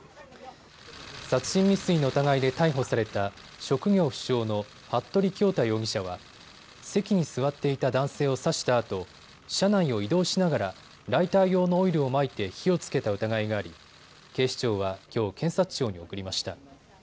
殺人未遂の疑いで逮捕された職業不詳の服部恭太容疑者は席に座っていた男性を刺したあと車内を移動しながらライター用のオイルをまいて火をつけた疑いがあり警視庁はきょう検察庁に送りました。